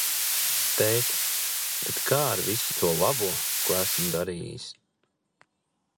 Tēt, bet kā ar visu to labo, ko esmu darījis?